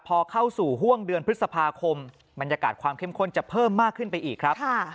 พอเข้าสู่ห่วงเดือนพฤษภาคมบรรยากาศความเข้มข้นจะเพิ่มมากขึ้นไปอีกครับ